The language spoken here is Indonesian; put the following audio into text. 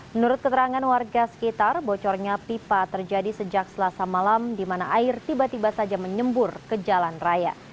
menurut keterangan warga sekitar bocornya pipa terjadi sejak selasa malam di mana air tiba tiba saja menyembur ke jalan raya